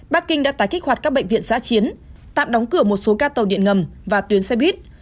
bắc kinh đã tái kích hoạt các bệnh viện giã chiến tạm đóng cửa một số ca tàu điện ngầm và tuyến xe buýt